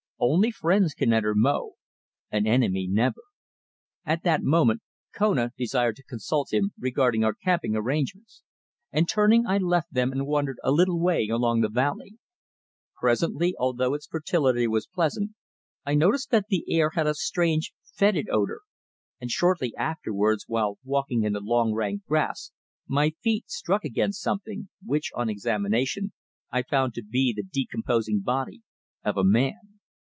Only friends can enter Mo; an enemy never." At that moment Kona desired to consult him regarding our camping arrangements, and turning I left them and wandered a little way along the valley. Presently, although its fertility was pleasant, I noticed that the air had a strange foetid odour, and, shortly afterwards, while walking in the long rank grass my feet struck against something, which, on examination, I found to be the decomposing body of a man.